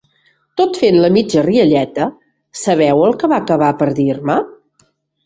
Tot fent la mitja rialleta, ¿sabeu el què va acabar per dir-me?